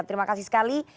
terima kasih sekali